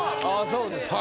そうですか。